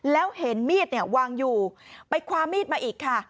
แล้วเห็นมีดเนี่ยวางอยู่ไปคว้ามีดมาอีกค่ะ